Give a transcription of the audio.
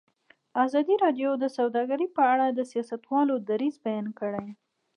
ازادي راډیو د سوداګري په اړه د سیاستوالو دریځ بیان کړی.